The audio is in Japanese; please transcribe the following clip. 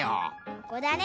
ここだね！